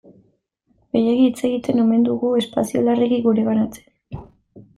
Gehiegi hitz egiten omen dugu, espazio larregi geureganatzen.